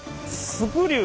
スクリュー？